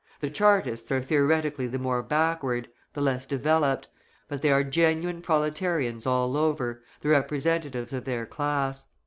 The Chartists are theoretically the more backward, the less developed, but they are genuine proletarians all over, the representatives of their class.